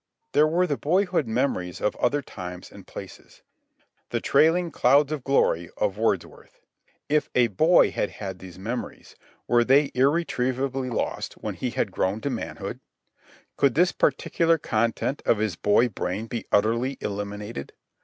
There were the boyhood memories of other times and places—the "trailing clouds of glory" of Wordsworth. If a boy had had these memories, were they irretrievably lost when he had grown to manhood? Could this particular content of his boy brain be utterly eliminated?